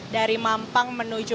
dari mampang menuju